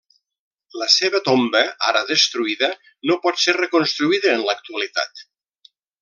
La seva tomba, ara destruïda, no pot ser reconstruïda en l'actualitat.